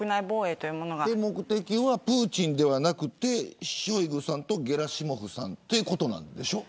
目的はプーチンではなくてショイグさんとゲラシモフさんということなんでしょう。